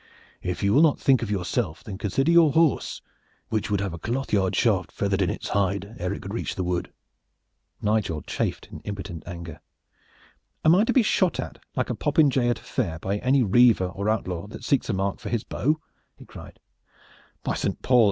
If you will not think of yourself, then consider your horse, which would have a cloth yard shaft feathered in its hide ere it could reach the wood." Nigel chafed in impotent anger. "Am I to be shot at like a popinjay at a fair, by any reaver or outlaw that seeks a mark for his bow?" he cried. "By Saint Paul!